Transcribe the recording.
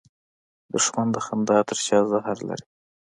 دښمن د خندا تر شا زهر لري